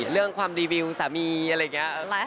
เรื่องความรีวิวสามีอะไรอย่างนี้